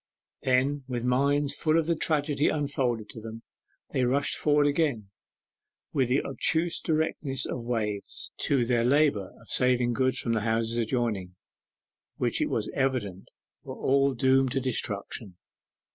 Then, with minds full of the tragedy unfolded to them, they rushed forward again with the obtuse directness of waves, to their labour of saving goods from the houses adjoining, which it was evident were all doomed to destruction.